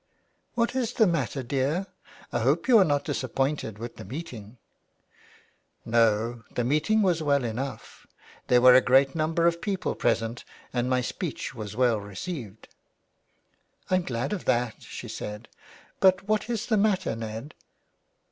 " What is the matter, dear ? I hope you are not disappointed with the meeting ?"" No, the meeting was well enough. There were a great number of people present and my speech was well received." " I am glad of that/' she said, '* but what is the matter, Ned